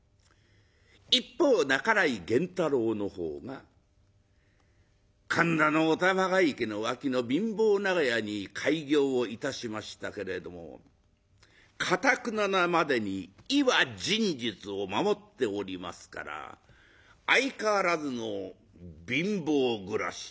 一方半井源太郎のほうが神田のお玉が池の脇の貧乏長屋に開業をいたしましたけれどもかたくななまでに「医は仁術」を守っておりますから相変わらずの貧乏暮らし。